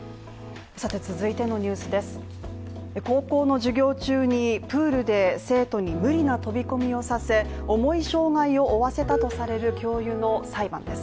高校の授業中にプールで生徒に無理な飛び込みをさせ、重い障害を負わせたとされる教諭の裁判です。